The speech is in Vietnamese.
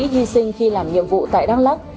di sinh khi làm nhiệm vụ tại đăng lắc